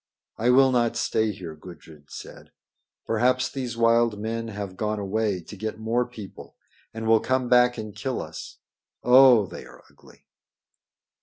"I will not stay here," Gudrid said. "Perhaps these wild men have gone away to get more people and will come back and kill us. Oh! they are ugly."